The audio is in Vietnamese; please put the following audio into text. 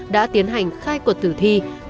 đã tiến hành khai cuộc tử thi để tìm ra nạn nhân